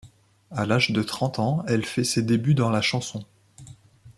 À l'âge de trente ans, elle fait ses débuts dans la chanson.